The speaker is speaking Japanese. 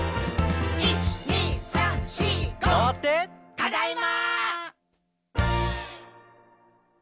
「ただいま！」